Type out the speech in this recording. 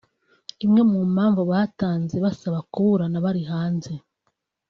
Imwe mu mpamvu batanze basaba kuburana bari hanze